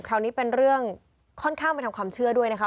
คราวนี้เป็นเรื่องค่อนข้างไปทางความเชื่อด้วยนะคะ